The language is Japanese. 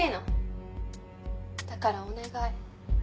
だからお願い。